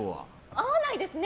合わないですね。